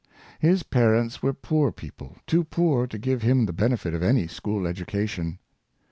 His parents were poor people — too poor to give him the benefit of any school education.